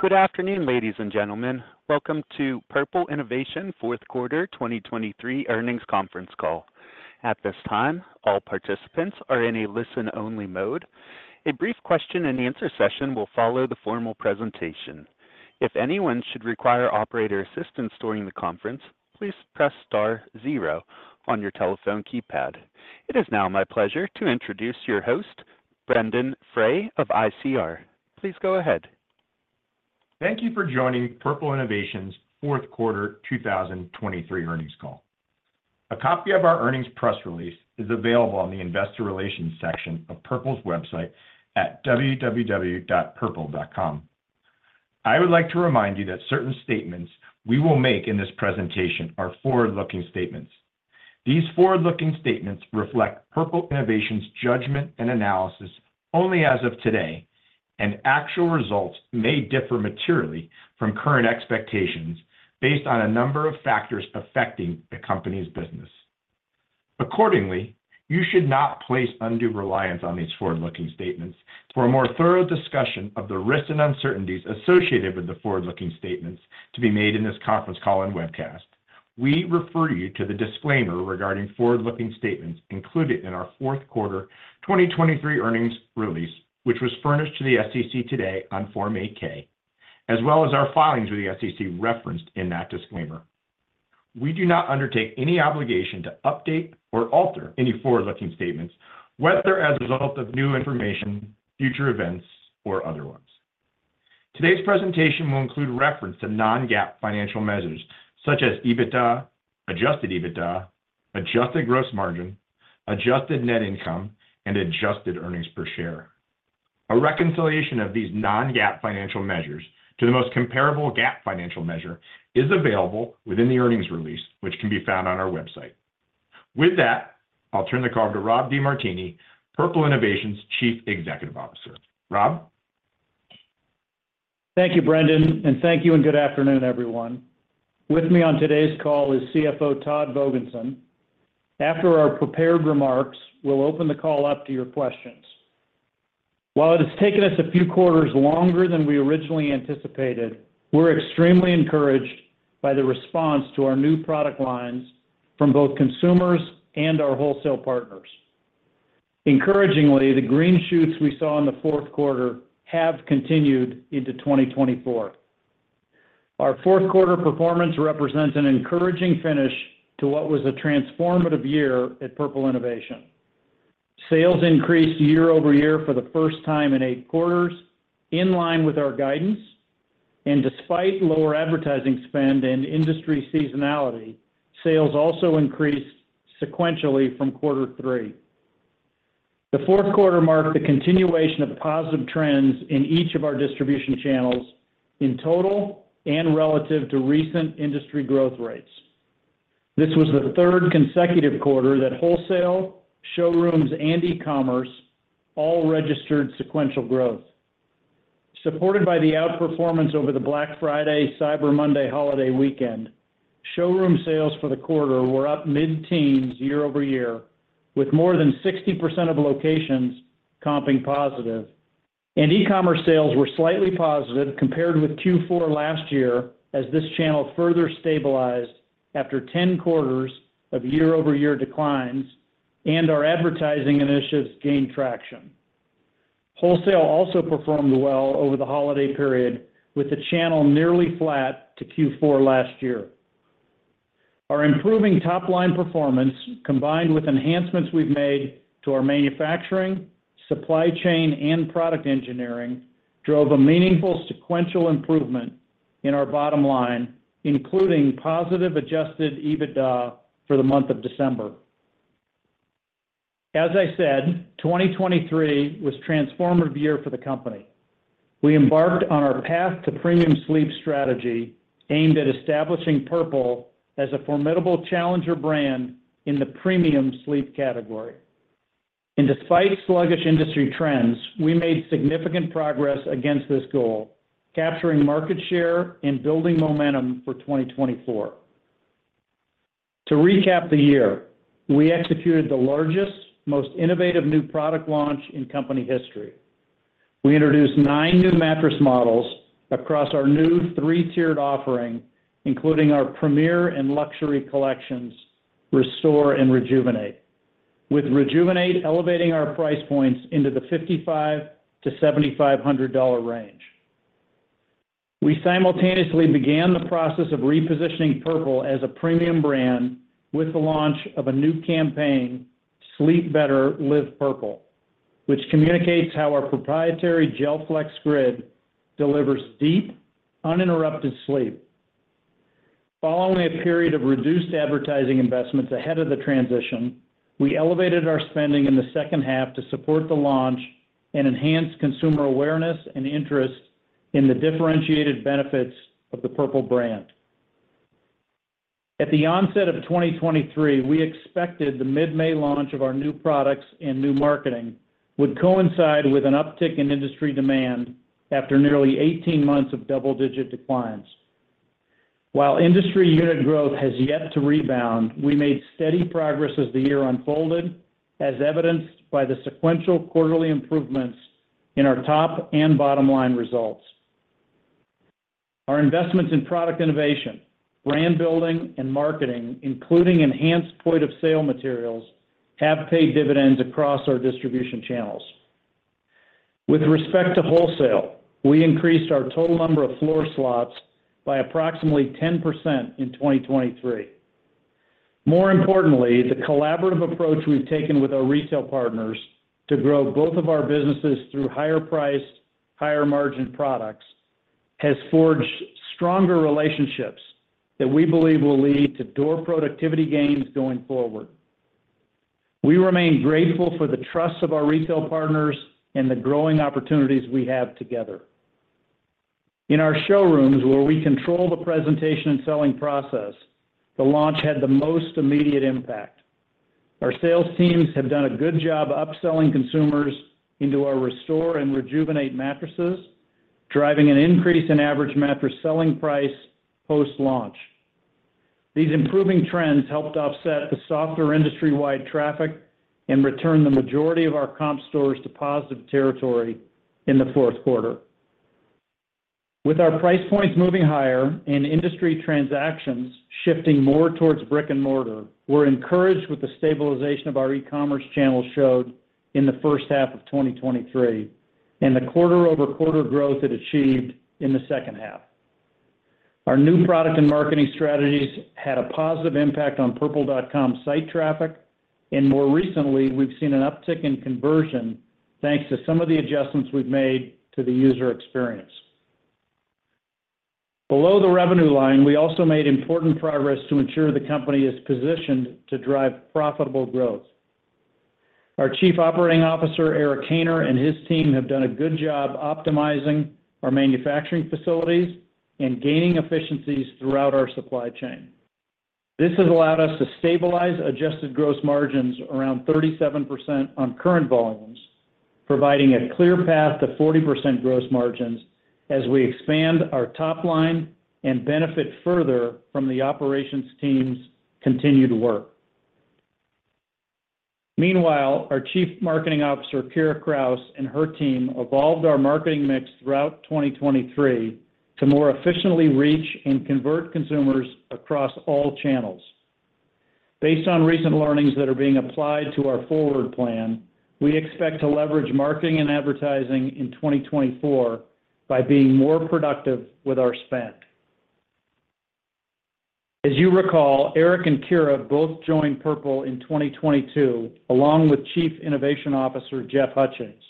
Good afternoon, ladies and gentlemen. Welcome to Purple Innovation Q4 2023 earnings conference call. At this time, all participants are in a listen-only mode. A brief question and answer session will follow the formal presentation. If anyone should require operator assistance during the conference, please press star zero on your telephone keypad. It is now my pleasure to introduce your host, Brendon Frey of ICR. Please go ahead. Thank you for joining Purple Innovation's Q4 2023 earnings call. A copy of our earnings press release is available on the investor relations section of Purple's website at www.purple.com. I would like to remind you that certain statements we will make in this presentation are forward-looking statements. These forward-looking statements reflect Purple Innovation's judgment and analysis only as of today, and actual results may differ materially from current expectations based on a number of factors affecting the company's business. Accordingly, you should not place undue reliance on these forward-looking statements. For a more thorough discussion of the risks and uncertainties associated with the forward-looking statements to be made in this conference call and webcast, we refer you to the disclaimer regarding forward-looking statements included in our Q4 2023 earnings release, which was furnished to the SEC today on Form 8-K, as well as our filings with the SEC referenced in that disclaimer. We do not undertake any obligation to update or alter any forward-looking statements, whether as a result of new information, future events, or otherwise. Today's presentation will include reference to non-GAAP financial measures such as EBITDA, Adjusted EBITDA, adjusted gross margin, adjusted net income, and adjusted earnings per share. A reconciliation of these non-GAAP financial measures to the most comparable GAAP financial measure is available within the earnings release, which can be found on our website. With that, I'll turn the call to Rob DeMartini, Purple Innovation's Chief Executive Officer. Rob? Thank you, Brendon, and thank you, and good afternoon, everyone. With me on today's call is CFO Todd Vogensen. After our prepared remarks, we'll open the call up to your questions. While it has taken us a few quarters longer than we originally anticipated, we're extremely encouraged by the response to our new product lines from both consumers and our wholesale partners. Encouragingly, the green shoots we saw in the Q4 have continued into 2024. Our Q4 performance represents an encouraging finish to what was a transformative year at Purple Innovation. Sales increased year-over-year for the first time in 8 quarters, in line with our guidance, and despite lower advertising spend and industry seasonality, sales also increased sequentially from quarter 3. The Q4 marked the continuation of positive trends in each of our distribution channels in total and relative to recent industry growth rates. This was the third consecutive quarter that wholesale, showrooms, and e-commerce all registered sequential growth. Supported by the outperformance over the Black Friday, Cyber Monday holiday weekend, showroom sales for the quarter were up mid-teens year-over-year, with more than 60% of locations comping positive, and e-commerce sales were slightly positive compared with Q4 last year, as this channel further stabilized after 10 quarters of year-over-year declines and our advertising initiatives gained traction. Wholesale also performed well over the holiday period, with the channel nearly flat to Q4 last year. Our improving top-line performance, combined with enhancements we've made to our manufacturing, supply chain, and product engineering, drove a meaningful sequential improvement in our bottom line, including positive Adjusted EBITDA for the month of December. As I said, 2023 was a transformative year for the company. We embarked on our Path to Premium Sleep strategy, aimed at establishing Purple as a formidable challenger brand in the premium sleep category. Despite sluggish industry trends, we made significant progress against this goal, capturing market share and building momentum for 2024. To recap the year, we executed the largest, most innovative new product launch in company history. We introduced nine new mattress models across our new three-tiered offering, including our Premium and Luxury collections, Restore and Rejuvenate, with Rejuvenate elevating our price points into the $5,500-$7,500 range. We simultaneously began the process of repositioning Purple as a premium brand with the launch of a new campaign, Sleep Better, Live Purple, which communicates how our proprietary GelFlex Grid delivers deep, uninterrupted sleep. Following a period of reduced advertising investments ahead of the transition, we elevated our spending in the second half to support the launch and enhance consumer awareness and interest in the differentiated benefits of the Purple brand. At the onset of 2023, we expected the mid-May launch of our new products and new marketing would coincide with an uptick in industry demand after nearly 18 months of double-digit declines. While industry unit growth has yet to rebound, we made steady progress as the year unfolded, as evidenced by the sequential quarterly improvements in our top and bottom line results. Our investments in product innovation, brand building, and marketing, including enhanced point-of-sale materials, have paid dividends across our distribution channels. With respect to wholesale, we increased our total number of floor slots by approximately 10% in 2023. More importantly, the collaborative approach we've taken with our retail partners to grow both of our businesses through higher priced, higher margin products, has forged stronger relationships that we believe will lead to door productivity gains going forward. We remain grateful for the trust of our retail partners and the growing opportunities we have together. In our showrooms, where we control the presentation and selling process, the launch had the most immediate impact. Our sales teams have done a good job upselling consumers into our Restore and Rejuvenate mattresses, driving an increase in average mattress selling price post-launch. These improving trends helped offset the softer industry-wide traffic and returned the majority of our comp stores to positive territory in the Q4. With our price points moving higher and industry transactions shifting more towards brick-and-mortar, we're encouraged with the stabilization of our e-commerce channel showed in the first half of 2023, and the quarter-over-quarter growth it achieved in the second half. Our new product and marketing strategies had a positive impact on purple.com site traffic, and more recently, we've seen an uptick in conversion, thanks to some of the adjustments we've made to the user experience. Below the revenue line, we also made important progress to ensure the company is positioned to drive profitable growth. Our Chief Operating Officer, Eric Haynor, and his team, have done a good job optimizing our manufacturing facilities and gaining efficiencies throughout our supply chain. This has allowed us to stabilize adjusted gross margins around 37% on current volumes, providing a clear path to 40% gross margins as we expand our top line and benefit further from the operations team's continued work. Meanwhile, our Chief Marketing Officer, Keira Krausz, and her team, evolved our marketing mix throughout 2023 to more efficiently reach and convert consumers across all channels. Based on recent learnings that are being applied to our forward plan, we expect to leverage marketing and advertising in 2024 by being more productive with our spend. As you recall, Eric and Keira both joined Purple in 2022, along with Chief Innovation Officer, Jeff Hutchings.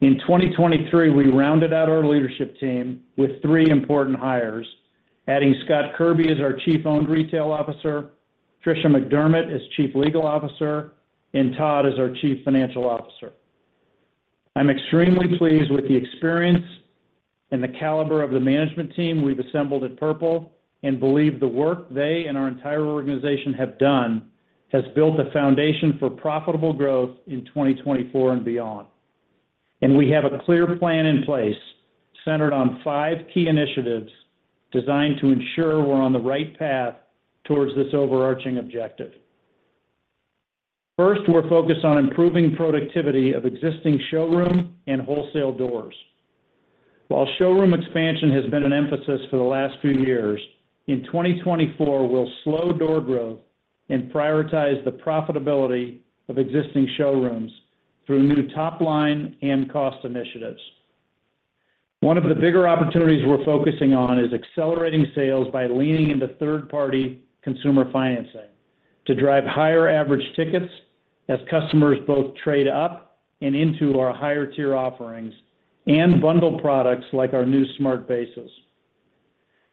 In 2023, we rounded out our leadership team with three important hires, adding Scott Kirby as our Chief Owned Retail Officer, Tricia McDermott as Chief Legal Officer, and Todd as our Chief Financial Officer. I'm extremely pleased with the experience and the caliber of the management team we've assembled at Purple, and believe the work they and our entire organization have done, has built a foundation for profitable growth in 2024 and beyond. We have a clear plan in place, centered on five key initiatives designed to ensure we're on the right path towards this overarching objective. First, we're focused on improving productivity of existing showroom and wholesale doors. While showroom expansion has been an emphasis for the last few years, in 2024, we'll slow door growth and prioritize the profitability of existing showrooms through new top line and cost initiatives. One of the bigger opportunities we're focusing on is accelerating sales by leaning into third-party consumer financing to drive higher average tickets as customers both trade up and into our higher-tier offerings and bundle products like our new smart bases.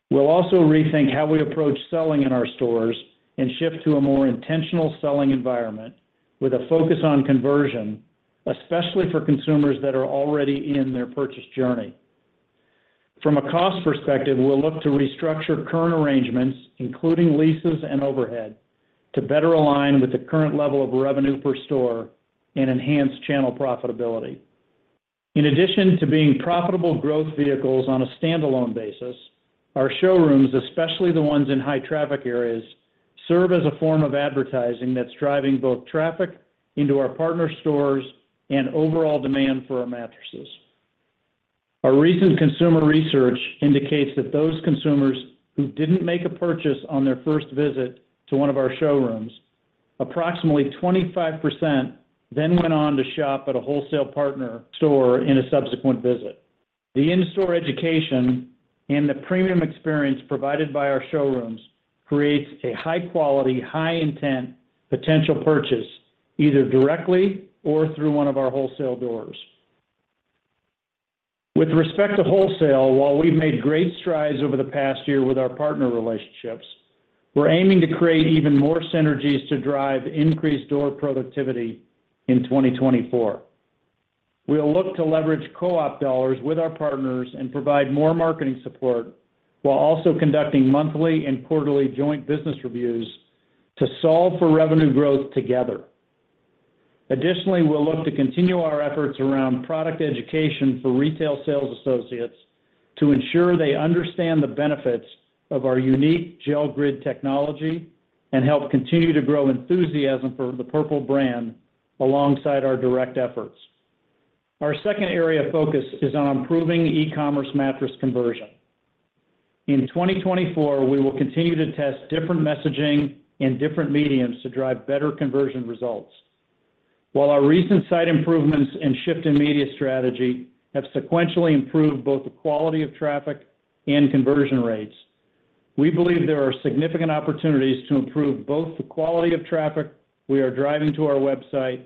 We'll also rethink how we approach selling in our stores and shift to a more intentional selling environment with a focus on conversion, especially for consumers that are already in their purchase journey. From a cost perspective, we'll look to restructure current arrangements, including leases and overhead, to better align with the current level of revenue per store and enhance channel profitability. In addition to being profitable growth vehicles on a standalone basis, our showrooms, especially the ones in high traffic areas, serve as a form of advertising that's driving both traffic into our partner stores and overall demand for our mattresses. Our recent consumer research indicates that those consumers who didn't make a purchase on their first visit to one of our showrooms, approximately 25% then went on to shop at a wholesale partner store in a subsequent visit. The in-store education and the premium experience provided by our showrooms creates a high-quality, high-intent potential purchase, either directly or through one of our wholesale doors. With respect to wholesale, while we've made great strides over the past year with our partner relationships, we're aiming to create even more synergies to drive increased door productivity in 2024. We'll look to leverage co-op dollars with our partners and provide more marketing support, while also conducting monthly and quarterly joint business reviews to solve for revenue growth together. Additionally, we'll look to continue our efforts around product education for retail sales associates to ensure they understand the benefits of our unique gel grid technology and help continue to grow enthusiasm for the Purple brand alongside our direct efforts. Our second area of focus is on improving e-commerce mattress conversion. In 2024, we will continue to test different messaging and different mediums to drive better conversion results. While our recent site improvements and shift in media strategy have sequentially improved both the quality of traffic and conversion rates, we believe there are significant opportunities to improve both the quality of traffic we are driving to our website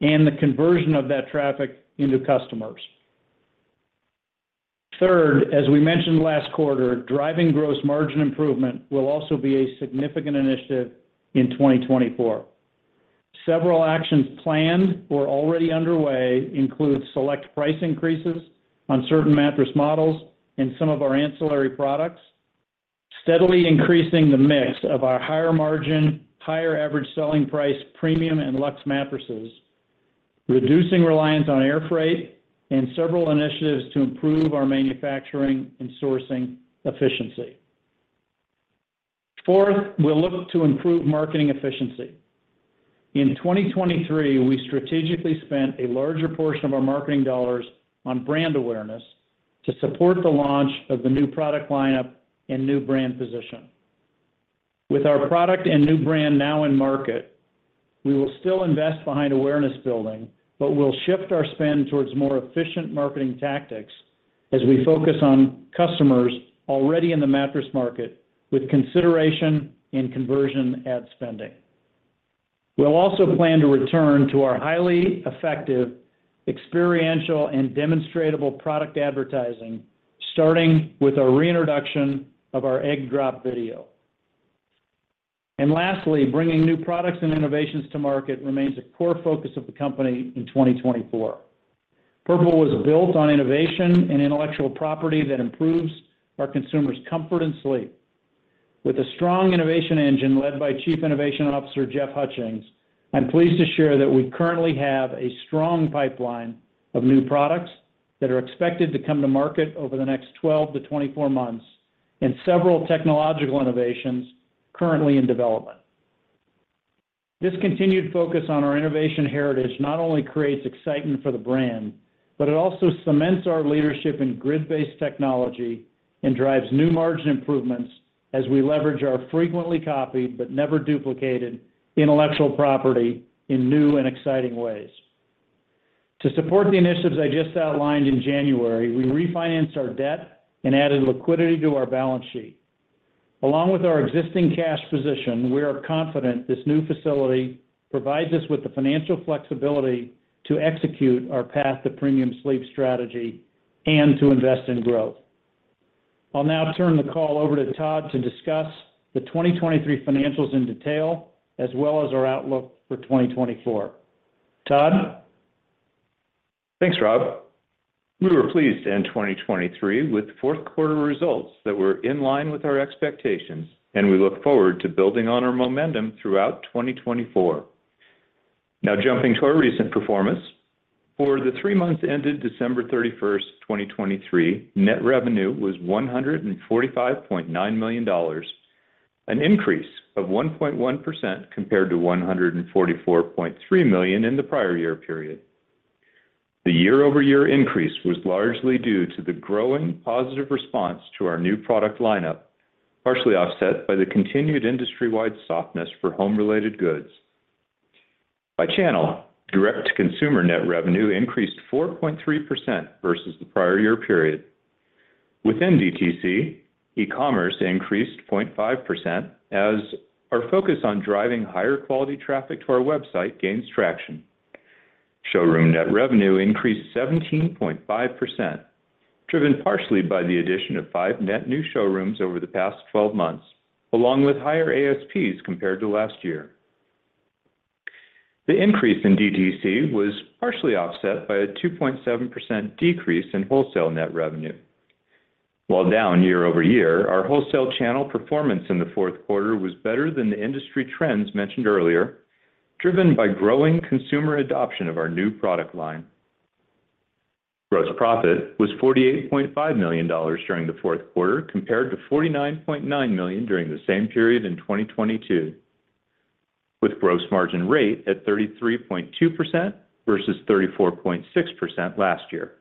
and the conversion of that traffic into customers. Third, as we mentioned last quarter, driving gross margin improvement will also be a significant initiative in 2024. Several actions planned or already underway include select price increases on certain mattress models and some of our ancillary products, steadily increasing the mix of our higher margin, higher average selling price, premium and luxe mattresses, reducing reliance on air freight, and several initiatives to improve our manufacturing and sourcing efficiency. Fourth, we'll look to improve marketing efficiency. In 2023, we strategically spent a larger portion of our marketing dollars on brand awareness to support the launch of the new product lineup and new brand position. With our product and new brand now in market, we will still invest behind awareness building, but we'll shift our spend towards more efficient marketing tactics as we focus on customers already in the mattress market with consideration and conversion ad spending. We'll also plan to return to our highly effective experiential and demonstratable product advertising, starting with a reintroduction of our Egg Drop video. And lastly, bringing new products and innovations to market remains a core focus of the company in 2024. Purple was built on innovation and intellectual property that improves our consumers' comfort and sleep. With a strong innovation engine led by Chief Innovation Officer Jeff Hutchings, I'm pleased to share that we currently have a strong pipeline of new products that are expected to come to market over the next 12-24 months, and several technological innovations currently in development. This continued focus on our innovation heritage not only creates excitement for the brand, but it also cements our leadership in grid-based technology and drives new margin improvements as we leverage our frequently copied, but never duplicated intellectual property in new and exciting ways. To support the initiatives I just outlined in January, we refinanced our debt and added liquidity to our balance sheet. Along with our existing cash position, we are confident this new facility provides us with the financial flexibility to execute our Path to Premium Sleep strategy and to invest in growth. I'll now turn the call over to Todd to discuss the 2023 financials in detail, as well as our outlook for 2024. Todd? Thanks, Rob. We were pleased to end 2023 with Q4 results that were in line with our expectations, and we look forward to building on our momentum throughout 2024. Now, jumping to our recent performance. For the three months ended December 31, 2023, net revenue was $145.9 million, an increase of 1.1% compared to $144.3 million in the prior year period. The year-over-year increase was largely due to the growing positive response to our new product lineup, partially offset by the continued industry-wide softness for home-related goods. By channel, direct-to-consumer net revenue increased 4.3% versus the prior year period. Within DTC, e-commerce increased 0.5%, as our focus on driving higher quality traffic to our website gains traction. Showroom net revenue increased 17.5%, driven partially by the addition of 5 net new showrooms over the past 12 months, along with higher ASPs compared to last year. The increase in DTC was partially offset by a 2.7% decrease in wholesale net revenue. While down year-over-year, our wholesale channel performance in the Q4 was better than the industry trends mentioned earlier, driven by growing consumer adoption of our new product line. Gross profit was $48.5 million during the Q4, compared to $49.9 million during the same period in 2022, with gross margin rate at 33.2% versus 34.6% last year.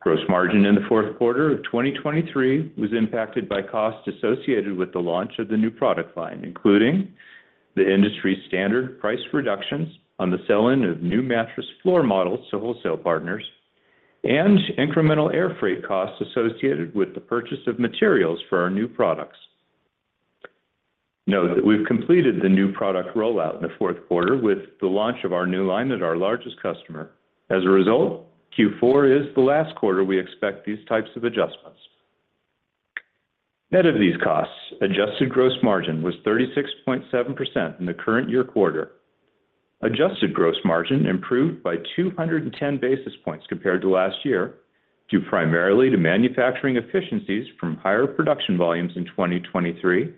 Gross margin in the Q4 of 2023 was impacted by costs associated with the launch of the new product line, including the industry standard price reductions on the sell-in of new mattress floor models to wholesale partners and incremental air freight costs associated with the purchase of materials for our new products. Note that we've completed the new product rollout in the Q4 with the launch of our new line at our largest customer. As a result, Q4 is the last quarter we expect these types of adjustments. Net of these costs, adjusted gross margin was 36.7% in the current year quarter. Adjusted gross margin improved by 210 basis points compared to last year, due primarily to manufacturing efficiencies from higher production volumes in 2023,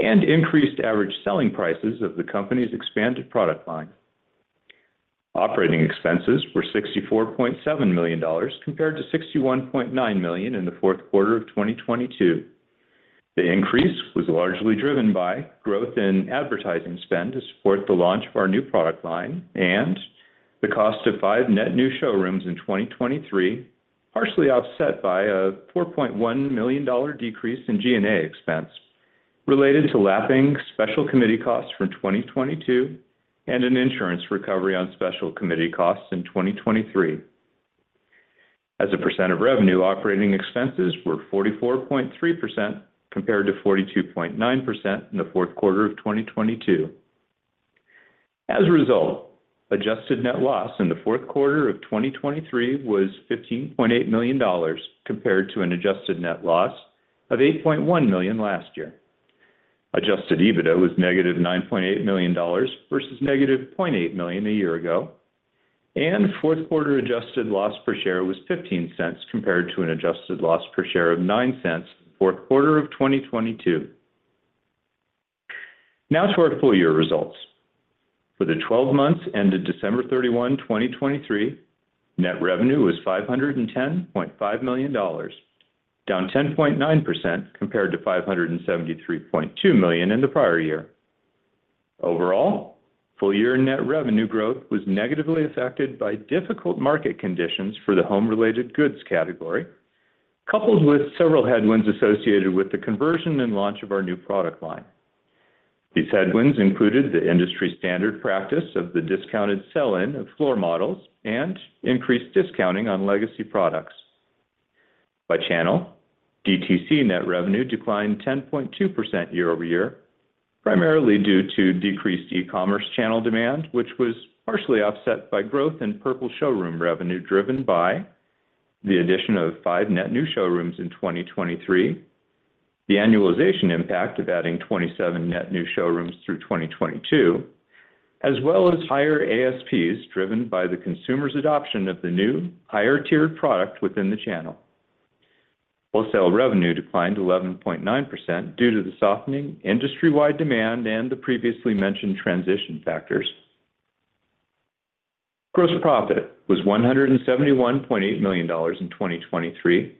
and increased average selling prices of the company's expanded product line. Operating expenses were $64.7 million, compared to $61.9 million in the Q4 of 2022. The increase was largely driven by growth in advertising spend to support the launch of our new product line, and the cost of 5 net new showrooms in 2023, partially offset by a $4.1 million decrease in G&A expense, related to lapping special committee costs from 2022 and an insurance recovery on special committee costs in 2023. As a percent of revenue, operating expenses were 44.3% compared to 42.9% in the Q4 of 2022. As a result, adjusted net loss in the Q4 of 2023 was $15.8 million, compared to an adjusted net loss of $8.1 million last year. Adjusted EBITDA was -$9.8 million versus -$0.8 million a year ago, and Q4 adjusted loss per share was $0.15, compared to an adjusted loss per share of $0.09 Q4 of 2022. Now to our full year results. For the twelve months ended December 31, 2023, net revenue was $510.5 million, down 10.9% compared to $573.2 million in the prior year. Overall, full year net revenue growth was negatively affected by difficult market conditions for the home-related goods category, coupled with several headwinds associated with the conversion and launch of our new product line. These headwinds included the industry standard practice of the discounted sell-in of floor models and increased discounting on legacy products. By channel, DTC net revenue declined 10.2% year-over-year, primarily due to decreased e-commerce channel demand, which was partially offset by growth in Purple showroom revenue, driven by the addition of 5 net new showrooms in 2023, the annualization impact of adding 27 net new showrooms through 2022, as well as higher ASPs, driven by the consumer's adoption of the new higher-tiered product within the channel. Wholesale revenue declined 11.9% due to the softening industry-wide demand and the previously mentioned transition factors. Gross profit was $171.8 million in 2023,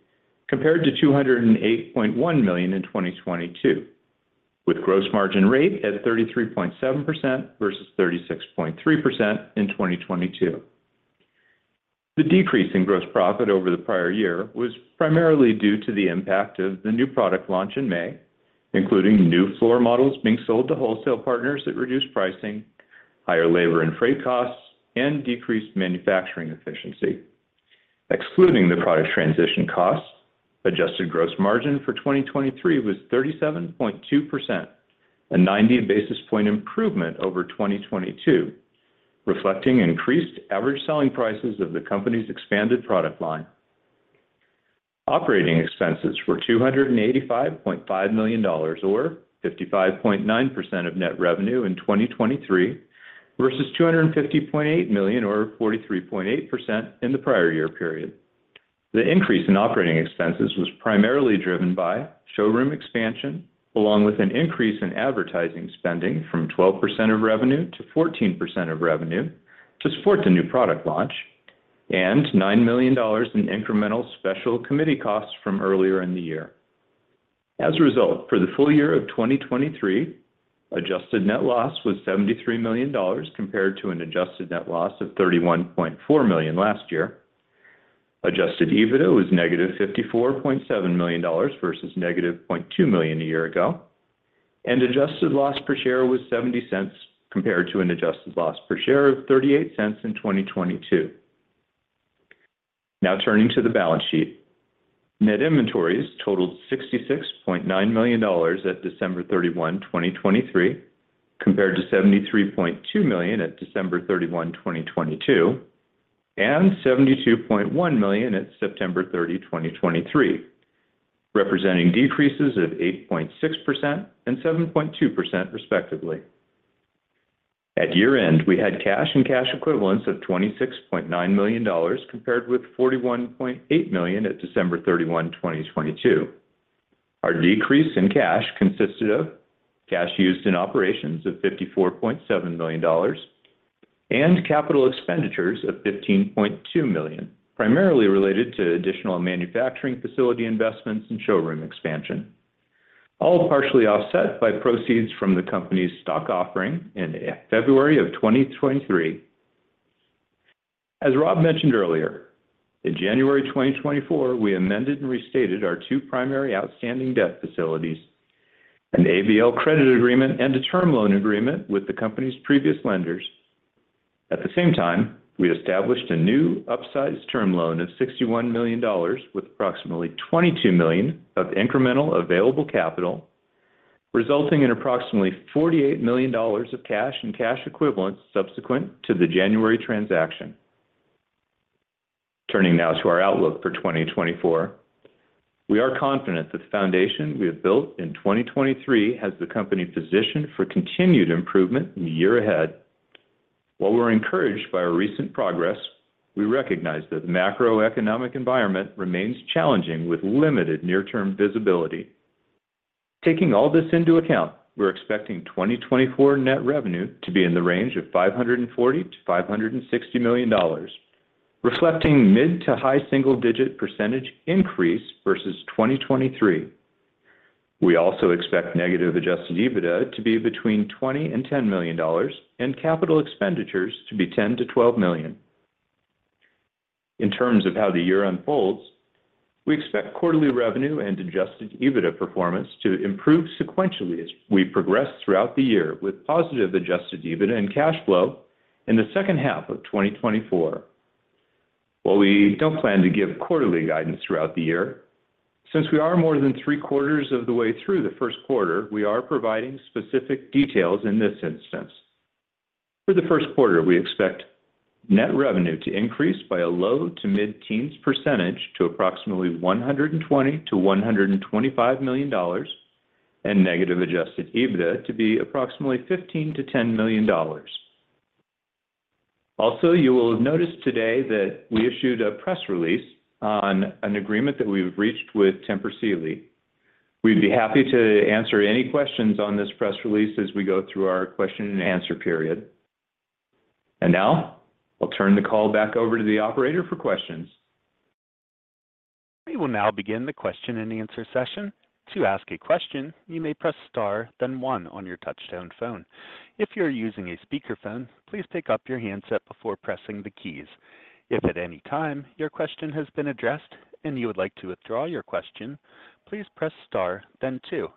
compared to $208.1 million in 2022, with gross margin rate at 33.7% versus 36.3% in 2022. The decrease in gross profit over the prior year was primarily due to the impact of the new product launch in May, including new floor models being sold to wholesale partners at reduced pricing, higher labor and freight costs, and decreased manufacturing efficiency. Excluding the product transition costs, adjusted gross margin for 2023 was 37.2%, a 90 basis point improvement over 2022, reflecting increased average selling prices of the company's expanded product line. Operating expenses were $285.5 million, or 55.9% of net revenue in 2023, versus $250.8 million, or 43.8% in the prior year period. The increase in operating expenses was primarily driven by showroom expansion, along with an increase in advertising spending from 12% of revenue to 14% of revenue to support the new product launch, and $9 million in incremental special committee costs from earlier in the year. As a result, for the full year of 2023, Adjusted net loss was $73 million, compared to an Adjusted net loss of $31.4 million last year. Adjusted EBITDA was negative $54.7 million versus negative $0.2 million a year ago, and adjusted loss per share was $0.70, compared to an adjusted loss per share of $0.38 in 2022. Now turning to the balance sheet. Net inventories totaled $66.9 million at December 31, 2023, compared to $73.2 million at December 31, 2022, and $72.1 million at September 30, 2023, representing decreases of 8.6% and 7.2%, respectively. At year-end, we had cash and cash equivalents of $26.9 million, compared with $41.8 million at December 31, 2022. Our decrease in cash consisted of cash used in operations of $54.7 million and capital expenditures of $15.2 million, primarily related to additional manufacturing facility investments and showroom expansion, all partially offset by proceeds from the company's stock offering in February of 2023. As Rob mentioned earlier, in January 2024, we amended and restated our two primary outstanding debt facilities, an ABL credit agreement and a term loan agreement with the company's previous lenders. At the same time, we established a new upsized term loan of $61 million, with approximately $22 million of incremental available capital, resulting in approximately $48 million of cash and cash equivalents subsequent to the January transaction. Turning now to our outlook for 2024. We are confident that the foundation we have built in 2023 has the company positioned for continued improvement in the year ahead... While we're encouraged by our recent progress, we recognize that the macroeconomic environment remains challenging, with limited near-term visibility. Taking all this into account, we're expecting 2024 net revenue to be in the range of $540 million-$560 million, reflecting mid- to high-single-digit percentage increase versus 2023. We also expect negative Adjusted EBITDA to be between $20 million and $10 million, and capital expenditures to be $10 million-$12 million. In terms of how the year unfolds, we expect quarterly revenue and Adjusted EBITDA performance to improve sequentially as we progress throughout the year, with positive Adjusted EBITDA and cash flow in the second half of 2024. While we don't plan to give quarterly guidance throughout the year, since we are more than three-quarters of the way through the Q1, we are providing specific details in this instance. For the Q1, we expect net revenue to increase by a low- to mid-teens% to approximately $120 million-$125 million, and negative Adjusted EBITDA to be approximately $15 million to $10 million. Also, you will have noticed today that we issued a press release on an agreement that we've reached with Tempur Sealy. We'd be happy to answer any questions on this press release as we go through our question and answer period. Now, I'll turn the call back over to the operator for questions. We will now begin the question-and-answer session. To ask a question, you may press star, then one on your touchtone phone. If you're using a speakerphone, please pick up your handset before pressing the keys. If at any time your question has been addressed and you would like to withdraw your question, please press star then two.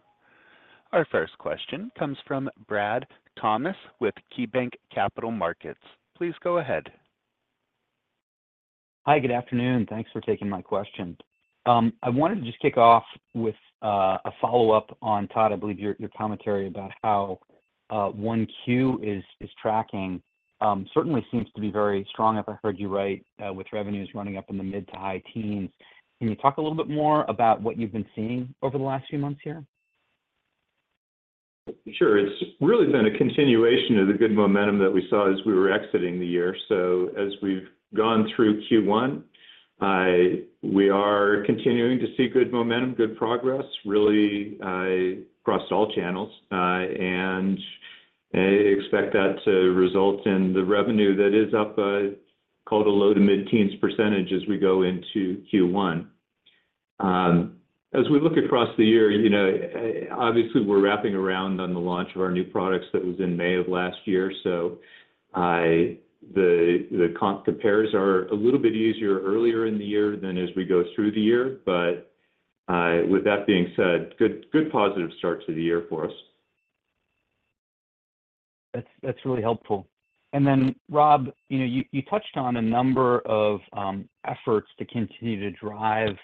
Our first question comes from Brad Thomas with KeyBanc Capital Markets. Please go ahead. Hi, good afternoon. Thanks for taking my question. I wanted to just kick off with a follow-up on, Todd, I believe your commentary about how 1Q is tracking. Certainly seems to be very strong, if I heard you right, with revenues running up in the mid- to high-teens. Can you talk a little bit more about what you've been seeing over the last few months here? Sure. It's really been a continuation of the good momentum that we saw as we were exiting the year. So as we've gone through Q1, we are continuing to see good momentum, good progress, really, across all channels. And, expect that to result in the revenue that is up, called a low-to-mid-teens % as we go into Q1. As we look across the year, you know, obviously, we're wrapping around on the launch of our new products that was in May of last year, so the comp compares are a little bit easier earlier in the year than as we go through the year, but, with that being said, good, good positive start to the year for us. That's, that's really helpful. And then, Rob, you know, you touched on a number of efforts to continue to drive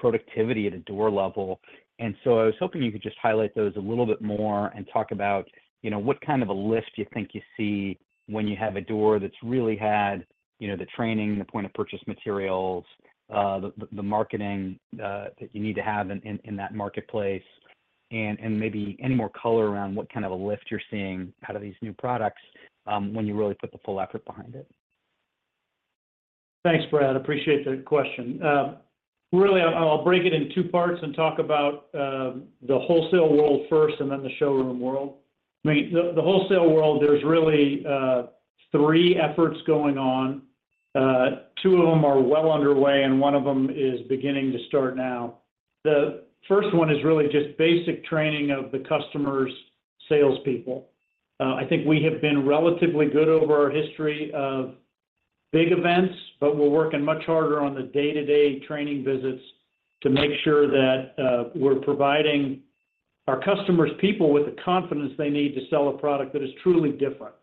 productivity at a door level, and so I was hoping you could just highlight those a little bit more and talk about, you know, what kind of a lift you think you see when you have a door that's really had, you know, the training, the point-of-purchase materials, the marketing that you need to have in that marketplace, and maybe any more color around what kind of a lift you're seeing out of these new products, when you really put the full effort behind it. Thanks, Brad. Appreciate the question. Really, I'll break it in two parts and talk about the wholesale world first and then the showroom world. I mean, the wholesale world, there's really three efforts going on. Two of them are well underway, and one of them is beginning to start now. The first one is really just basic training of the customer's salespeople. I think we have been relatively good over our history of big events, but we're working much harder on the day-to-day training visits to make sure that we're providing our customers' people with the confidence they need to sell a product that is truly different.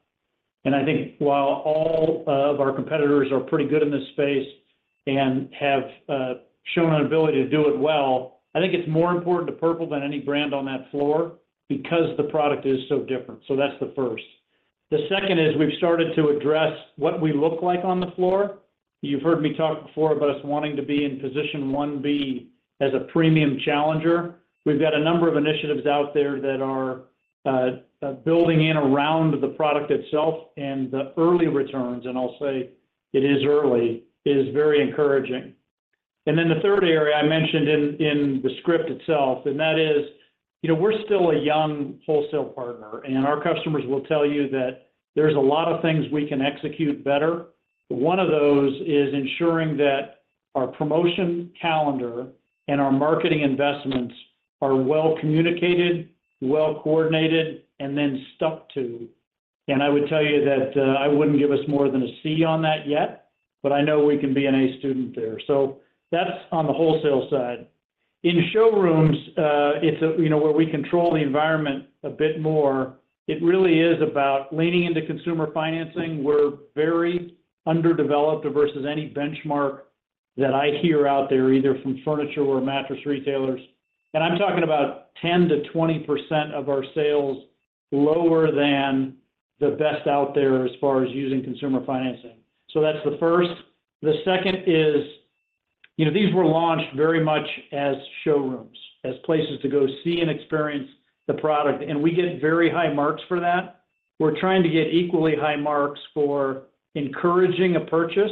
I think while all of our competitors are pretty good in this space and have shown an ability to do it well, I think it's more important to Purple than any brand on that floor because the product is so different. So that's the first. The second is we've started to address what we look like on the floor. You've heard me talk before about us wanting to be in position 1B as a premium challenger. We've got a number of initiatives out there that are building in around the product itself and the early returns, and I'll say it is early, is very encouraging. And then the third area I mentioned in the script itself, and that is, you know, we're still a young wholesale partner, and our customers will tell you that there's a lot of things we can execute better. One of those is ensuring that our promotion calendar and our marketing investments are well communicated, well coordinated, and then stuck to. And I would tell you that, I wouldn't give us more than a C on that yet, but I know we can be an A student there. So that's on the wholesale side. In showrooms, it's a, you know, where we control the environment a bit more, it really is about leaning into consumer financing. We're very underdeveloped versus any benchmark that I hear out there, either from furniture or mattress retailers. And I'm talking about 10%-20% of our sales lower than the best out there as far as using consumer financing. So that's the first. The second is-... You know, these were launched very much as showrooms, as places to go see and experience the product, and we get very high marks for that. We're trying to get equally high marks for encouraging a purchase,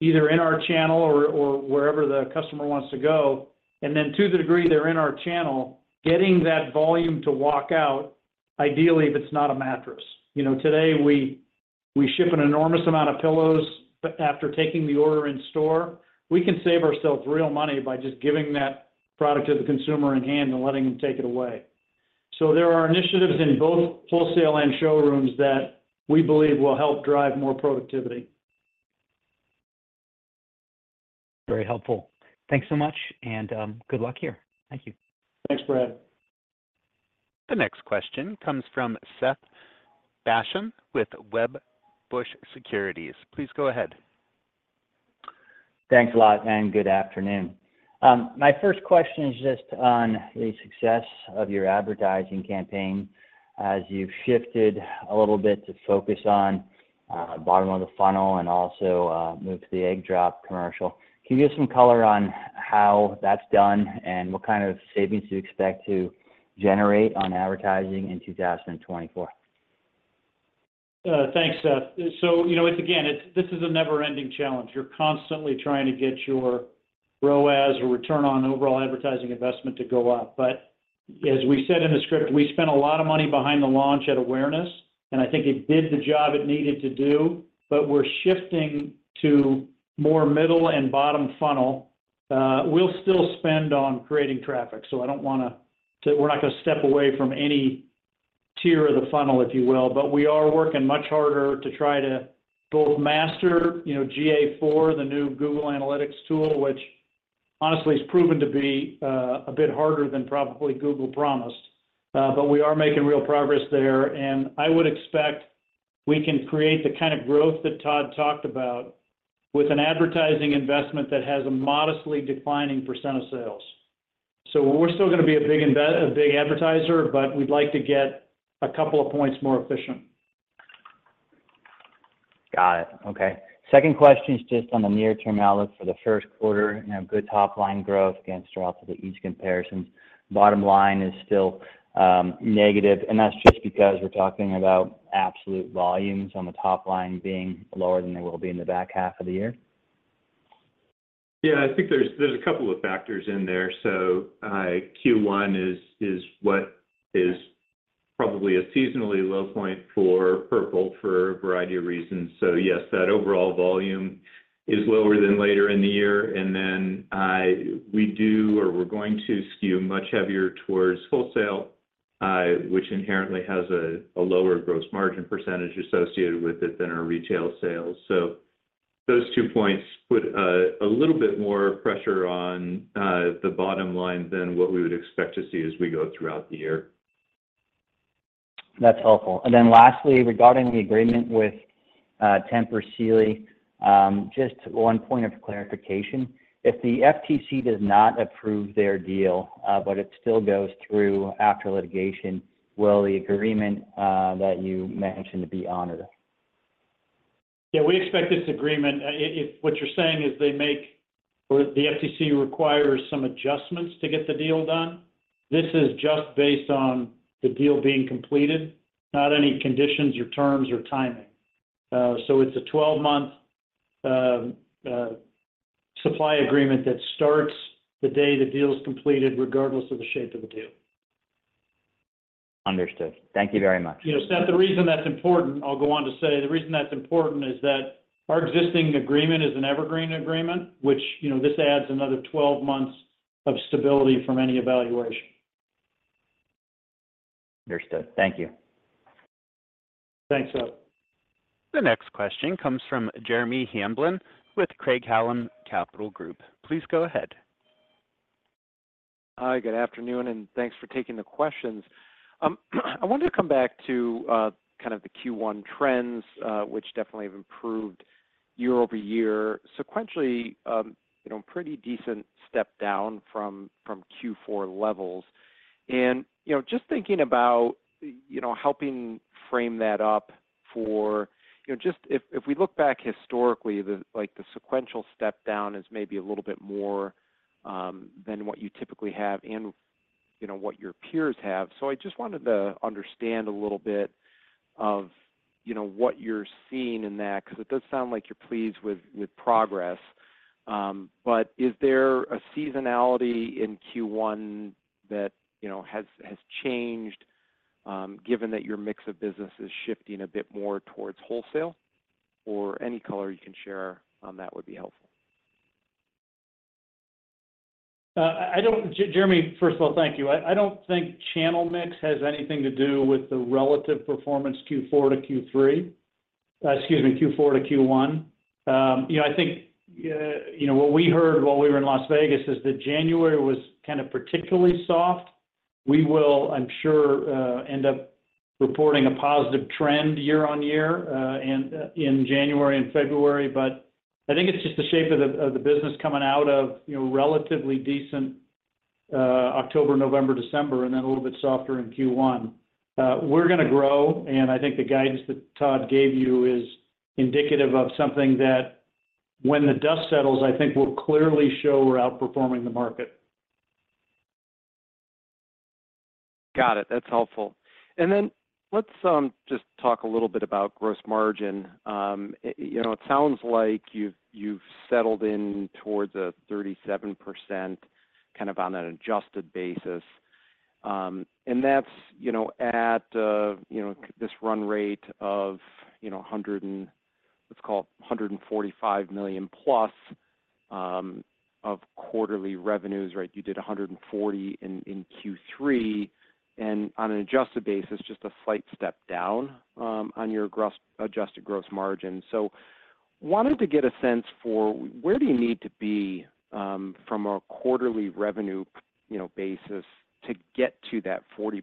either in our channel or wherever the customer wants to go. And then to the degree they're in our channel, getting that volume to walk out, ideally, if it's not a mattress. You know, today, we ship an enormous amount of pillows, but after taking the order in store, we can save ourselves real money by just giving that product to the consumer in hand and letting them take it away. So there are initiatives in both wholesale and showrooms that we believe will help drive more productivity. Very helpful. Thanks so much, and, good luck here. Thank you. Thanks, Brad. The next question comes from Seth Basham with Wedbush Securities. Please go ahead. Thanks a lot, and good afternoon. My first question is just on the success of your advertising campaign as you've shifted a little bit to focus on bottom of the funnel and also move to the Egg Drop commercial. Can you give some color on how that's done, and what kind of savings you expect to generate on advertising in 2024? Thanks, Seth. So, you know, it's, again, this is a never-ending challenge. You're constantly trying to get your ROAS or return on overall advertising investment to go up. But as we said in the script, we spent a lot of money behind the launch at awareness, and I think it did the job it needed to do, but we're shifting to more middle and bottom funnel. We'll still spend on creating traffic, so I don't wanna, so we're not gonna step away from any tier of the funnel, if you will. But we are working much harder to try to both master, you know, GA4, the new Google Analytics tool, which honestly has proven to be a bit harder than probably Google promised. But we are making real progress there, and I would expect we can create the kind of growth that Todd talked about with an advertising investment that has a modestly declining percent of sales. So we're still gonna be a big advertiser, but we'd like to get a couple of points more efficient. Got it. Okay. Second question is just on the near-term outlook for the Q1. You know, good top line growth against relatively easy comparisons. Bottom line is still negative, and that's just because we're talking about absolute volumes on the top line being lower than they will be in the back half of the year? Yeah, I think there's a couple of factors in there. So, Q1 is what is probably a seasonally low point for Purple for a variety of reasons. So yes, that overall volume is lower than later in the year, and then, we're going to skew much heavier towards wholesale, which inherently has a lower gross margin percentage associated with it than our retail sales. So those two points put a little bit more pressure on the bottom line than what we would expect to see as we go throughout the year. That's helpful. And then lastly, regarding the agreement with Tempur Sealy, just one point of clarification. If the FTC does not approve their deal, but it still goes through after litigation, will the agreement that you mentioned be honored? Yeah, we expect this agreement... If what you're saying is they make or the FTC requires some adjustments to get the deal done, this is just based on the deal being completed, not any conditions or terms or timing. So it's a 12-month supply agreement that starts the day the deal is completed, regardless of the shape of the deal. Understood. Thank you very much. You know, Seth, the reason that's important. I'll go on to say, the reason that's important is that our existing agreement is an evergreen agreement, which, you know, this adds another 12 months of stability from any evaluation. Understood. Thank you. Thanks, Seth. The next question comes from Jeremy Hamblin with Craig-Hallum Capital Group. Please go ahead. Hi, good afternoon, and thanks for taking the questions. I wanted to come back to, kind of the Q1 trends, which definitely have improved year-over-year, sequentially, you know, pretty decent step down from Q4 levels. And, you know, just thinking about, you know, helping frame that up for... You know, just if we look back historically, like, the sequential step down is maybe a little bit more than what you typically have and, you know, what your peers have. So I just wanted to understand a little bit of, you know, what you're seeing in that, because it does sound like you're pleased with progress. But is there a seasonality in Q1 that, you know, has changed, given that your mix of business is shifting a bit more towards wholesale? Or any color you can share on that would be helpful. I don't, Jeremy, first of all, thank you. I don't think channel mix has anything to do with the relative performance, Q4 to Q3, excuse me, Q4 to Q1. You know, I think, you know, what we heard while we were in Las Vegas is that January was kind of particularly soft. We will, I'm sure, end up reporting a positive trend year-on-year, in January and February. But I think it's just the shape of the business coming out of, you know, relatively decent October, November, December, and then a little bit softer in Q1. We're gonna grow, and I think the guidance that Todd gave you is indicative of something that when the dust settles, I think will clearly show we're outperforming the market. Got it. That's helpful. And then let's just talk a little bit about gross margin. You know, it sounds like you've settled in towards a 37%, kind of on an adjusted basis. And that's, you know, at this run rate of, you know, $145 million plus of quarterly revenues, right? You did $140 in Q3, and on an adjusted basis, just a slight step down on your adjusted gross margin. So wanted to get a sense for where do you need to be from a quarterly revenue, you know, basis to get to that 40%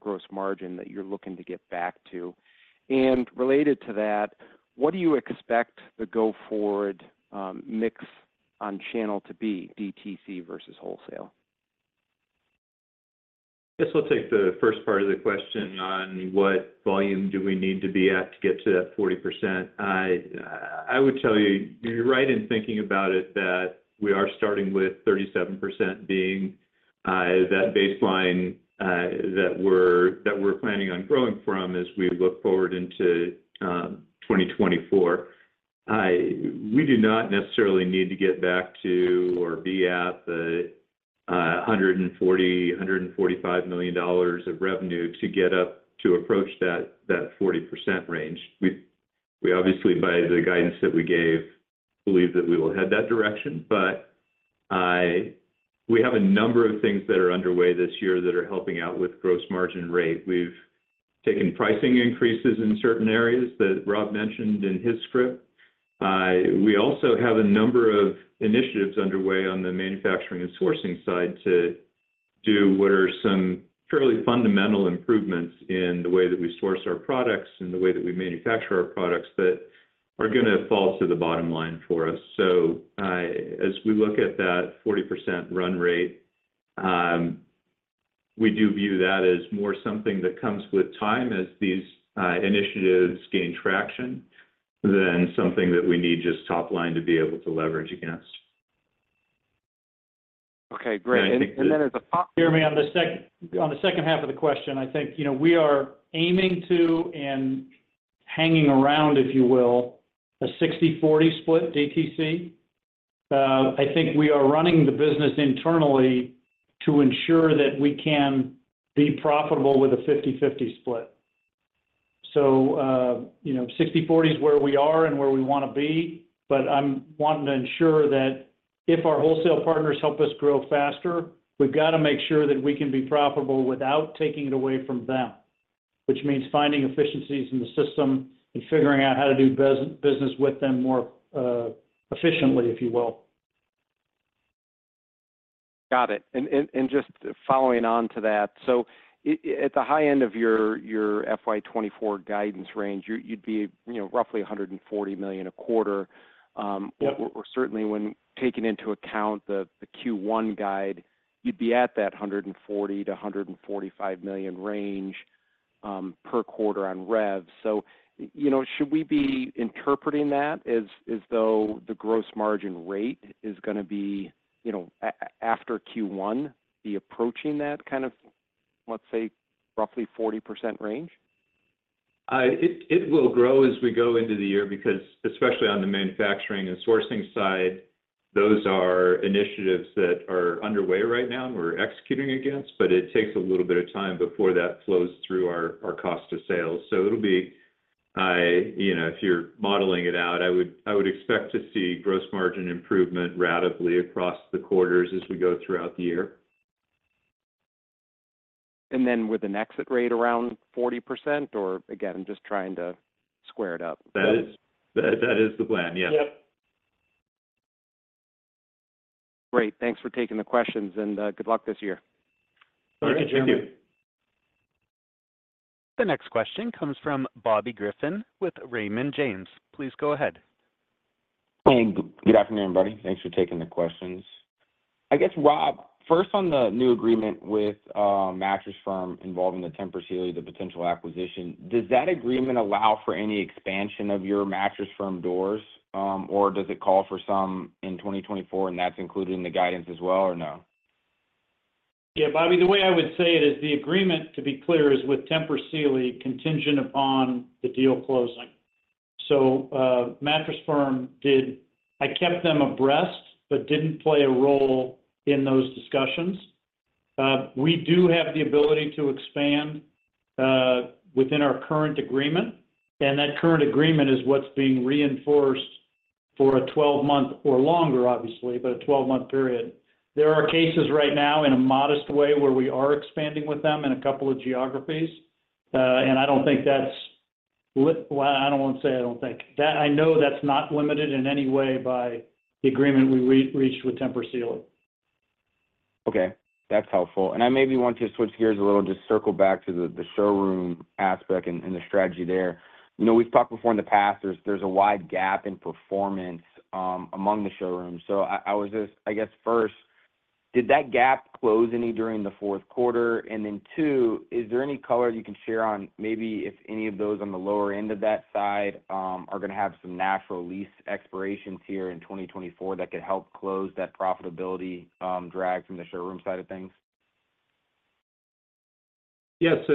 gross margin that you're looking to get back to? And related to that, what do you expect the go-forward mix on channel to be, DTC versus wholesale? I guess I'll take the first part of the question on what volume do we need to be at to get to that 40%. I, I would tell you, you're right in thinking about it, that we are starting with 37% being, that baseline, that we're, that we're planning on growing from as we look forward into, 2024. I. We do not necessarily need to get back to or be at the, a $140 million, $145 million of revenue to get up to approach that, that 40% range. We, we obviously, by the guidance that we gave, believe that we will head that direction. But I. we have a number of things that are underway this year that are helping out with gross margin rate. We've taken pricing increases in certain areas that Rob mentioned in his script. We also have a number of initiatives underway on the manufacturing and sourcing side to do what are some fairly fundamental improvements in the way that we source our products and the way that we manufacture our products that are gonna fall to the bottom line for us. So, as we look at that 40% run rate, we do view that as more something that comes with time as these initiatives gain traction than something that we need just top line to be able to leverage against. Okay, great. And I think that- Jeremy, on the second half of the question, I think, you know, we are aiming to and hanging around, if you will, a 60/40 split DTC. I think we are running the business internally to ensure that we can be profitable with a 50/50 split. So, you know, 60/40 is where we are and where we wanna be, but I'm wanting to ensure that if our wholesale partners help us grow faster, we've got to make sure that we can be profitable without taking it away from them, which means finding efficiencies in the system and figuring out how to do business with them more efficiently, if you will. Got it. Just following on to that, so at the high end of your FY 2024 guidance range, you'd be, you know, roughly $140 million a quarter. Or certainly, when taking into account the Q1 guide, you'd be at that $140 million-$145 million range per quarter on rev. So, you know, should we be interpreting that as though the gross margin rate is gonna be, you know, after Q1, be approaching that kind of, let's say, roughly 40% range? It will grow as we go into the year because, especially on the manufacturing and sourcing side, those are initiatives that are underway right now and we're executing against, but it takes a little bit of time before that flows through our cost of sales. So it'll be, you know, if you're modeling it out, I would expect to see gross margin improvement ratably across the quarters as we go throughout the year. And then with an exit rate around 40%, or again, just trying to square it up. That is the plan, yes. Great. Thanks for taking the questions, and good luck this year. Thank you. Thank you. The next question comes from Bobby Griffin with Raymond James. Please go ahead. Hey, good afternoon, everybody. Thanks for taking the questions. I guess, Rob, first on the new agreement with, Mattress Firm involving the Tempur Sealy, the potential acquisition, does that agreement allow for any expansion of your Mattress Firm doors, or does it call for some in 2024, and that's included in the guidance as well, or no? Yeah, Bobby, the way I would say it is the agreement, to be clear, is with Tempur Sealy, contingent upon the deal closing. So, Mattress Firm... I kept them abreast but didn't play a role in those discussions. We do have the ability to expand within our current agreement, and that current agreement is what's being reinforced for a 12-month or longer, obviously, but a 12-month period. There are cases right now in a modest way where we are expanding with them in a couple of geographies, and I don't think that's li-- well, I don't want to say I don't think. That, I know that's not limited in any way by the agreement we reached with Tempur Sealy. Okay, that's helpful. And I maybe want to switch gears a little, just circle back to the showroom aspect and the strategy there. You know, we've talked before in the past, there's a wide gap in performance among the showrooms. So did that gap close any during the Q4? And then two, is there any color you can share on maybe if any of those on the lower end of that side are going to have some natural lease expirations here in 2024 that could help close that profitability drag from the showroom side of things? Yeah. So,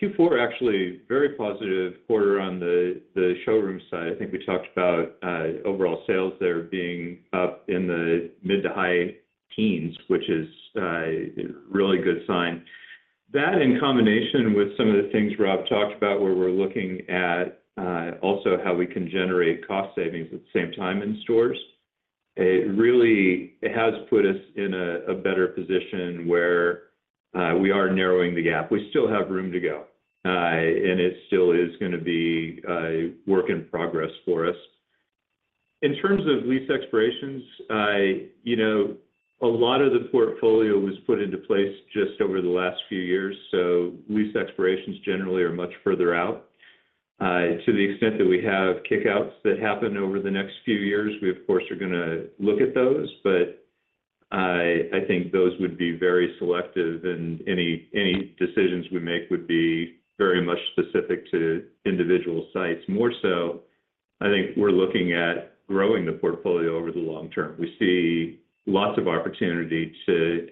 Q4 actually very positive quarter on the showroom side. I think we talked about overall sales there being up in the mid to high teens, which is a really good sign. That, in combination with some of the things Rob talked about, where we're looking at also how we can generate cost savings at the same time in stores, it really—it has put us in a better position where we are narrowing the gap. We still have room to go, and it still is gonna be a work in progress for us. In terms of lease expirations, I, you know, a lot of the portfolio was put into place just over the last few years, so lease expirations generally are much further out. To the extent that we have kick-outs that happen over the next few years, we, of course, are gonna look at those, but I, I think those would be very selective, and any, any decisions we make would be very much specific to individual sites. More so, I think we're looking at growing the portfolio over the long term. We see lots of opportunity to,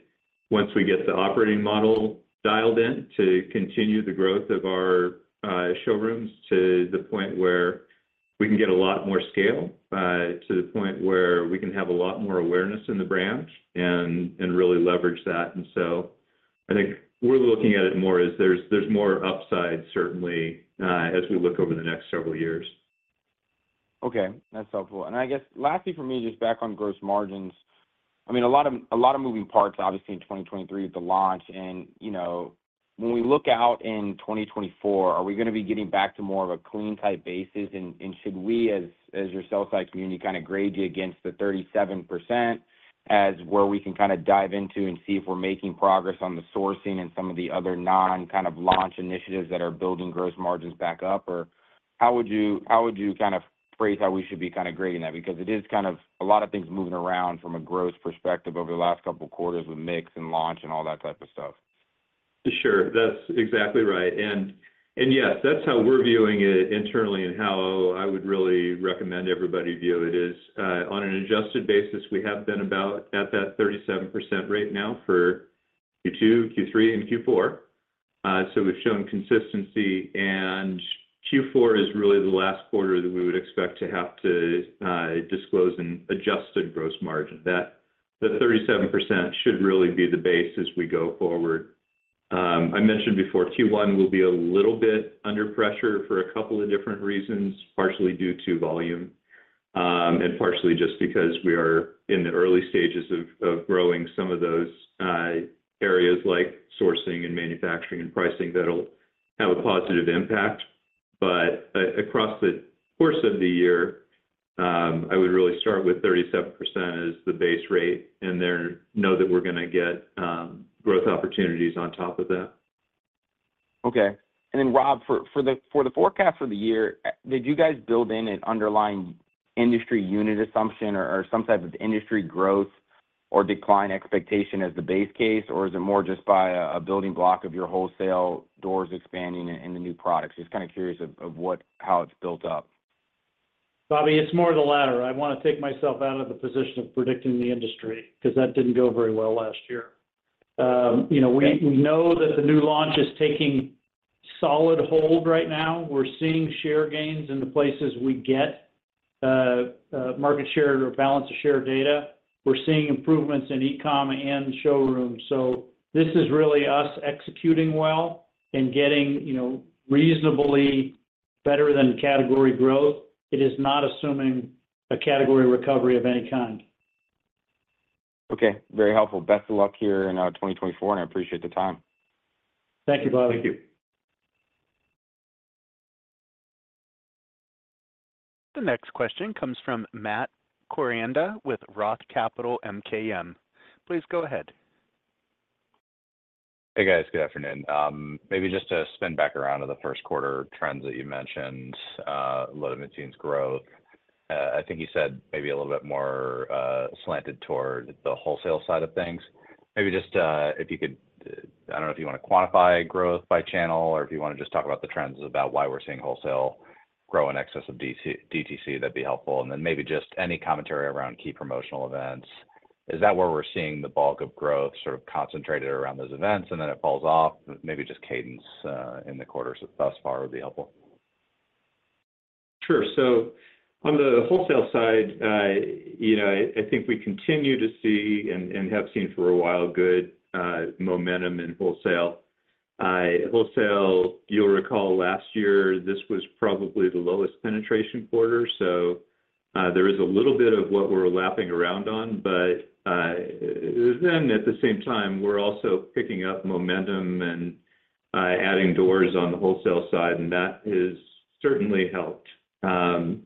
once we get the operating model dialed in, to continue the growth of our, showrooms, to the point where we can get a lot more scale, to the point where we can have a lot more awareness in the brand and, and really leverage that. And so I think we're looking at it more as there's, there's more upside, certainly, as we look over the next several years. Okay, that's helpful. And I guess lastly for me, just back on gross margins. I mean, a lot of, a lot of moving parts, obviously in 2023 with the launch. And, you know, when we look out in 2024, are we gonna be getting back to more of a clean type basis? And, and should we, as, as your sell side community, kind of grade you against the 37% as where we can kinda dive into and see if we're making progress on the sourcing and some of the other non kind of launch initiatives that are building gross margins back up? Or how would you, how would you kind of phrase how we should be kind of grading that? Because it is kind of a lot of things moving around from a gross perspective over the last couple of quarters with mix and launch and all that type of stuff. Sure. That's exactly right. And yes, that's how we're viewing it internally and how I would really recommend everybody view it is, on an adjusted basis, we have been about at that 37% right now for Q2, Q3, and Q4. So we've shown consistency, and Q4 is really the last quarter that we would expect to have to disclose an adjusted gross margin. That, the 37% should really be the base as we go forward. I mentioned before, Q1 will be a little bit under pressure for a couple of different reasons, partially due to volume, and partially just because we are in the early stages of growing some of those areas like sourcing and manufacturing and pricing that'll have a positive impact. Across the course of the year, I would really start with 37% as the base rate and then know that we're gonna get growth opportunities on top of that. Okay. And then, Rob, for the forecast for the year, did you guys build in an underlying industry unit assumption or some type of industry growth or decline expectation as the base case? Or is it more just a building block of your wholesale doors expanding in the new products? Just kind of curious of what—how it's built up. Bobby, it's more of the latter. I want to take myself out of the position of predicting the industry, because that didn't go very well last year. You know, we- We know that the new launch is taking solid hold right now. We're seeing share gains in the places we get market share or balance of share data. We're seeing improvements in e-com and showrooms. So this is really us executing well and getting, you know, reasonably better than category growth. It is not assuming a category recovery of any kind. Okay, very helpful. Best of luck here in 2024, and I appreciate the time. Thank you, Bobby. Thank you. The next question comes from Matt Koranda with Roth Capital MKM. Please go ahead. Hey, guys. Good afternoon. Maybe just to spin back around to the Q1 trends that you mentioned, low-end mattress growth. I think you said maybe a little bit more slanted toward the wholesale side of things. Maybe just, if you could... I don't know if you want to quantify growth by channel, or if you want to just talk about the trends about why we're seeing wholesale grow in excess of DTC, that'd be helpful. And then maybe just any commentary around key promotional events. Is that where we're seeing the bulk of growth sort of concentrated around those events, and then it falls off? Maybe just cadence in the quarters thus far would be helpful. Sure. So on the wholesale side, you know, I think we continue to see, and have seen for a while, good momentum in wholesale. Wholesale, you'll recall last year, this was probably the lowest penetration quarter, so there is a little bit of what we're lapping around on. But then at the same time, we're also picking up momentum and adding doors on the wholesale side, and that has certainly helped. And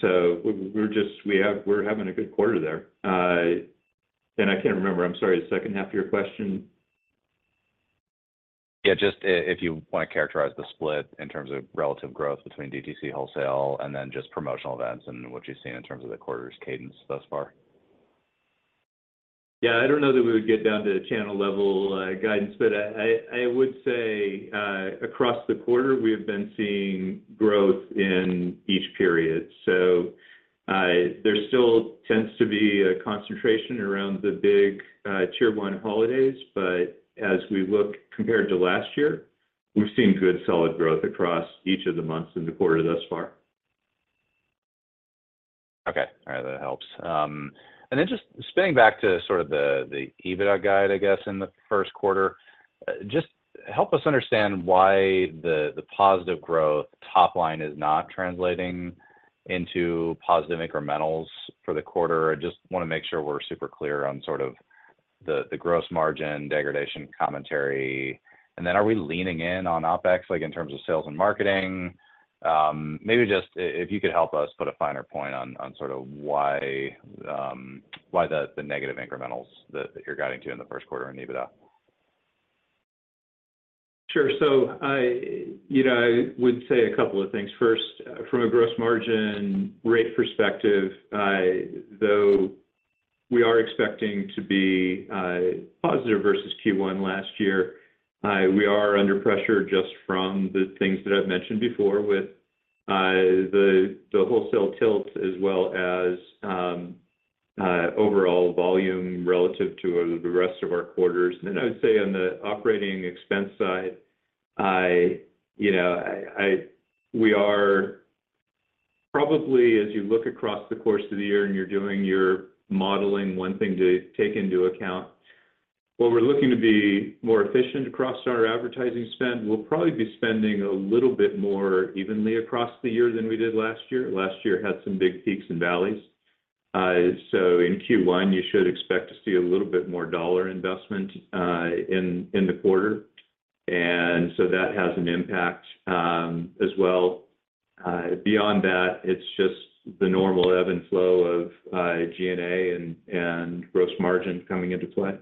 so we're having a good quarter there. And I can't remember, I'm sorry, the second half of your question? ... Yeah, just if you want to characterize the split in terms of relative growth between DTC wholesale, and then just promotional events and what you've seen in terms of the quarter's cadence thus far? Yeah, I don't know that we would get down to channel level guidance, but I would say across the quarter, we have been seeing growth in each period. So, there still tends to be a concentration around the big tier one holidays, but as we look compared to last year, we've seen good, solid growth across each of the months in the quarter thus far. Okay. All right, that helps. And then just spinning back to sort of the, the EBITDA guide, I guess, in the Q1, just help us understand why the, the positive growth top line is not translating into positive incrementals for the quarter. I just wanna make sure we're super clear on sort of the, the gross margin degradation commentary. And then, are we leaning in on OpEx, like, in terms of sales and marketing? Maybe just if you could help us put a finer point on, on sort of why, why the, the negative incrementals that, that you're guiding to in the Q1 on EBITDA. Sure. So I, you know, I would say a couple of things. First, from a gross margin rate perspective, though we are expecting to be positive versus Q1 last year, we are under pressure just from the things that I've mentioned before with the wholesale tilt, as well as overall volume relative to the rest of our quarters. And then, I would say on the operating expense side, you know, we are probably, as you look across the course of the year and you're doing your modeling, one thing to take into account, while we're looking to be more efficient across our advertising spend, we'll probably be spending a little bit more evenly across the year than we did last year. Last year had some big peaks and valleys. So in Q1, you should expect to see a little bit more dollar investment in the quarter, and so that has an impact, as well. Beyond that, it's just the normal ebb and flow of G&A and gross margin coming into play.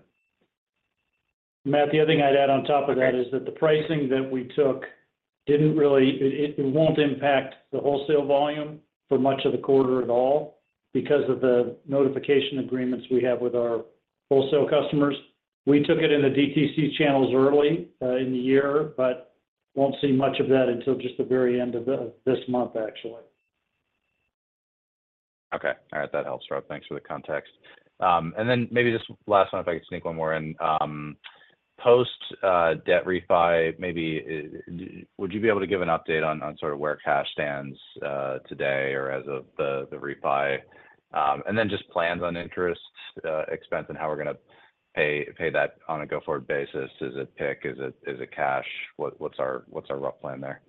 Matt, the other thing I'd add on top of that is that the pricing that we took didn't really... It, it won't impact the wholesale volume for much of the quarter at all because of the notification agreements we have with our wholesale customers. We took it in the DTC channels early, in the year, but won't see much of that until just the very end of this month, actually. Okay. All right, that helps, Rob. Thanks for the context. And then maybe just last one, if I could sneak one more in. Post debt refi, maybe would you be able to give an update on sort of where cash stands today or as of the refi? And then just plans on interest expense and how we're gonna pay that on a go-forward basis. Is it PIK? Is it cash? What's our rough plan there?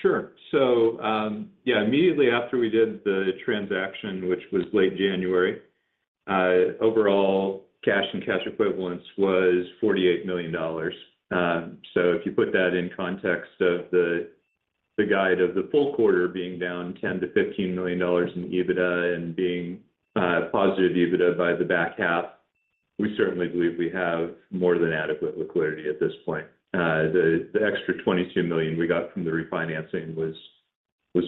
Sure. So, yeah, immediately after we did the transaction, which was late January, overall, cash and cash equivalents was $48 million. So if you put that in context of the guide of the full quarter being down $10 million-$15 million in EBITDA and being positive EBITDA by the back half, we certainly believe we have more than adequate liquidity at this point. The extra $22 million we got from the refinancing was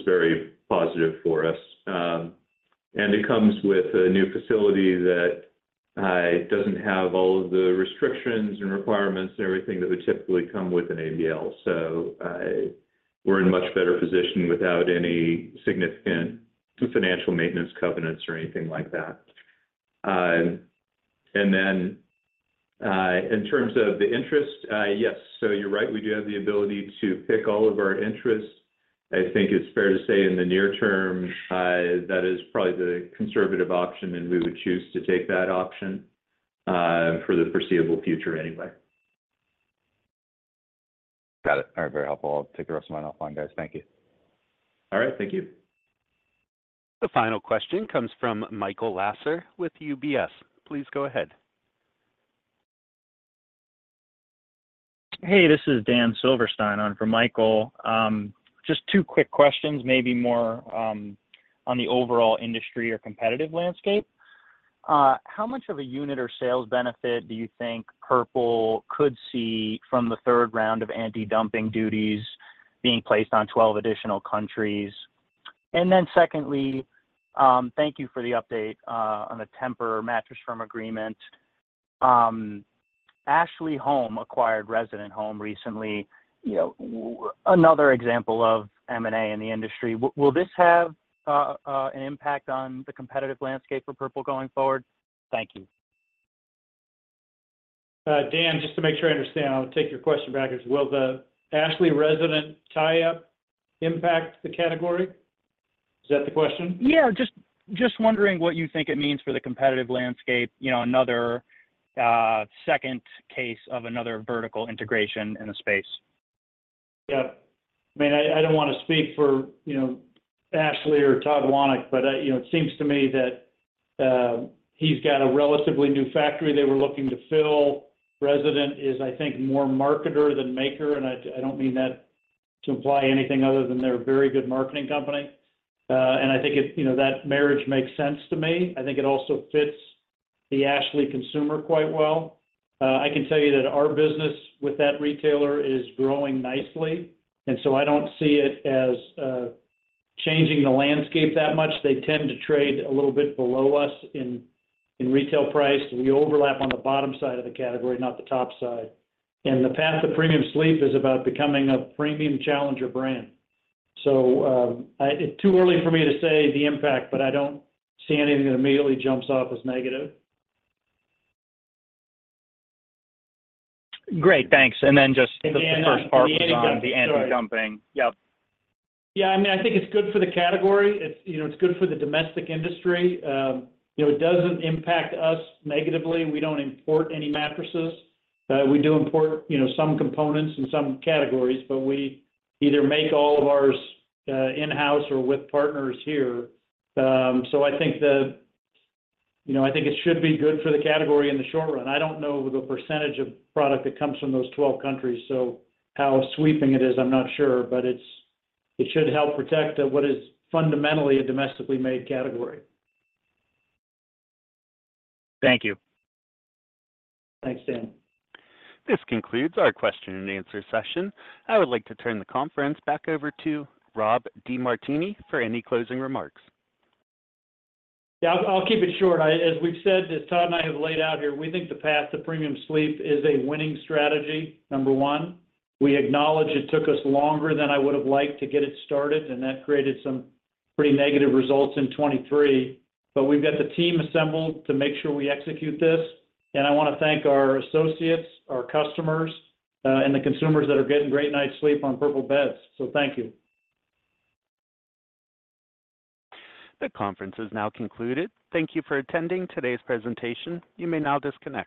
very positive for us. And it comes with a new facility that doesn't have all of the restrictions and requirements and everything that would typically come with an ABL. So, we're in much better position without any significant financial maintenance covenants or anything like that. And then, in terms of the interest, yes, so you're right, we do have the ability to pick all of our interests. I think it's fair to say in the near term, that is probably the conservative option, and we would choose to take that option, for the foreseeable future anyway. Got it. All right, very helpful. I'll take the rest of mine offline, guys. Thank you. All right, thank you. The final question comes from Michael Lasser with UBS. Please go ahead. Hey, this is Dan Silverstein on for Michael. Just two quick questions, maybe more, on the overall industry or competitive landscape. How much of a unit or sales benefit do you think Purple could see from the third round of anti-dumping duties being placed on 12 additional countries? And then secondly, thank you for the update, on the Tempur-Mattress Firm agreement. Ashley Home acquired Resident Home recently, you know, another example of M&A in the industry. Will this have, an impact on the competitive landscape for Purple going forward? Thank you. Dan, just to make sure I understand, I'll take your question back. Will the Ashley-Resident tie-up impact the category? Is that the question? Yeah, just wondering what you think it means for the competitive landscape, you know, another second case of another vertical integration in the space. Yeah. I mean, I don't wanna speak for, you know, Ashley or Todd Wanek, but, you know, it seems to me that he's got a relatively new factory they were looking to fill. Resident is, I think, more marketer than maker, and I don't mean that to imply anything other than they're a very good marketing company. And I think it... you know, that marriage makes sense to me. I think it also fits the Ashley consumer quite well. I can tell you that our business with that retailer is growing nicely, and so I don't see it as changing the landscape that much. They tend to trade a little bit below us in retail price. We overlap on the bottom side of the category, not the top side. And the Path to Premium Sleep is about becoming a premium challenger brand. So, it's too early for me to say the impact, but I don't see anything that immediately jumps off as negative. Great, thanks. And then just the first part was on the anti-dumping. Yep. Yeah, I mean, I think it's good for the category. It's, you know, it's good for the domestic industry. You know, it doesn't impact us negatively. We don't import any mattresses. We do import, you know, some components in some categories, but we either make all of ours in-house or with partners here. So I think, you know, I think it should be good for the category in the short run. I don't know the percentage of product that comes from those 12 countries, so how sweeping it is, I'm not sure, but it should help protect what is fundamentally a domestically made category. Thank you. Thanks, Dan. This concludes our question and answer session. I would like to turn the conference back over to Rob DeMartini for any closing remarks. Yeah, I'll keep it short. As we've said, as Todd and I have laid out here, we think the Path to Premium Sleep is a winning strategy, number one. We acknowledge it took us longer than I would have liked to get it started, and that created some pretty negative results in 2023. But we've got the team assembled to make sure we execute this, and I wanna thank our associates, our customers, and the consumers that are getting great night's sleep on Purple beds. So thank you. The conference is now concluded. Thank you for attending today's presentation. You may now disconnect.